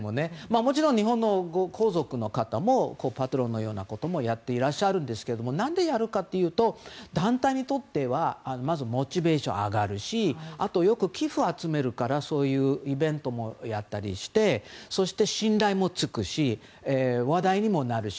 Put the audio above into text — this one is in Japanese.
もちろん、日本の皇族の方もパトロンのようなことをやっていらっしゃるんですけど何でやるかというと団体にとってはまず、モチベーションが上がるしあと、よく寄付を集めるからイベントもやったりしてそして信頼もつくし話題にもなるし。